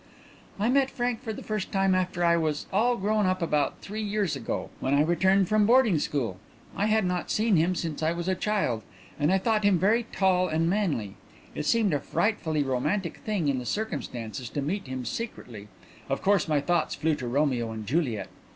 "I met Frank for the first time after I was at all grown up about three years ago, when I returned from boarding school. I had not seen him since I was a child, and I thought him very tall and manly. It seemed a frightfully romantic thing in the circumstances to meet him secretly of course my thoughts flew to Romeo and Juliet.